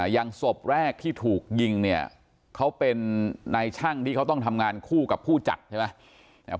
อย่างศพแรกที่ถูกยิงเนี่ยเขาเป็นนายช่างที่เขาต้องทำงานคู่กับผู้จัดใช่ไหม